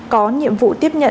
có nhiệm vụ tiếp nhận